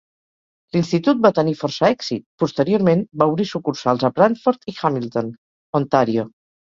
L'Institut va tenir força èxit, posteriorment va obrir sucursals a Brantford i Hamilton, Ontario.